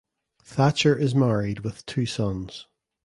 Thatcher is married with two sons.